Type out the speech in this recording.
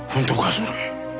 それ。